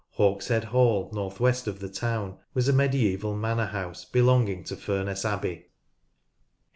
Hawkshead Hall, north west of the town, was a medieval manor house belonging to Furness Abbey, (pp.